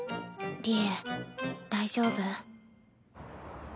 利恵大丈夫？